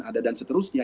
ada dan seterusnya